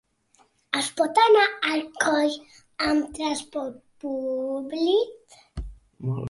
Es pot anar a Alcoi amb transport públic?